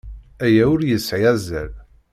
Aya ur yesɛi azal.